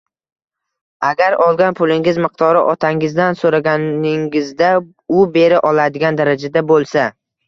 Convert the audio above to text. Agar olgan pulingiz miqdori otangizdan so‘raganingizda u bera oladigan darajada bo‘lsa